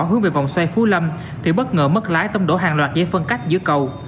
hướng về vòng xoay phú lâm thì bất ngờ mất lái tông đổ hàng loạt giấy phân cách giữa cầu